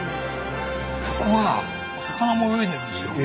そこは魚も泳いでるんですよ。